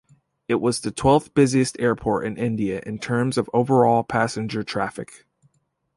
It was the twelfth-busiest airport in India in terms of overall passenger traffic.